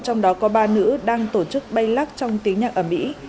trong đó có ba nữ đang tổ chức bay lắc trong tiếng nhạc ở mỹ